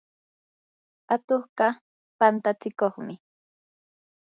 atuqqa pantatsikuqmi.